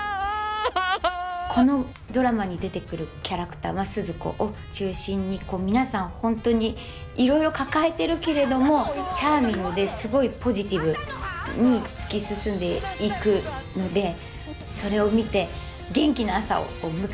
このドラマに出てくるキャラクタースズ子を中心にこう皆さん本当にいろいろ抱えてるけれどもチャーミングですごいポジティブに突き進んでいくのでそれを見て元気な朝を迎えてほしいなと思います。